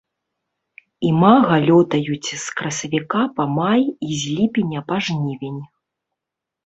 Імага лётаюць з красавіка па май і з ліпеня па жнівень.